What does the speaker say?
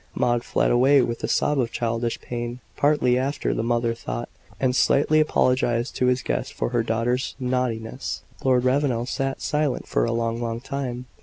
Maud fled away with a sob of childish pain partly anger, the mother thought and slightly apologized to the guest for her daughter's "naughtiness." Lord Ravenel sat silent for a long, long time.